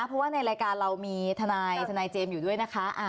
เพราะว่าในรายการเรามีทนายเจมส์อยู่ด้วยนะคะ